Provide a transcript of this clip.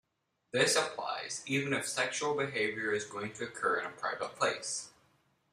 This applies even if sexual behavior is going to occur in a private place.